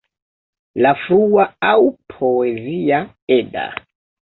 La frua aŭ Poezia Edda.